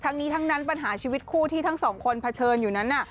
ทั้งนี้ทั้งนั้นปัญหาชีวิตคู่ที่ทั้งสองคนเผชิญอยู่นั้น